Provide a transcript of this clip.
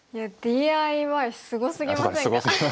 いやＤＩＹすごすぎませんか？